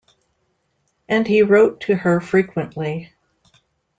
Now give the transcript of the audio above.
And he wrote to her frequently.